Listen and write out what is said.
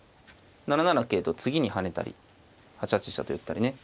７七桂と次に跳ねたり８八飛車と寄ったりね。